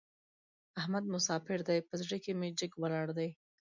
احمد مساپر دی؛ په زړه کې مې جګ ولاړ دی.